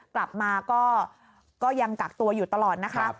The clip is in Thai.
กลับมาก็ยังกักตัวอยู่ตลอดนะคะ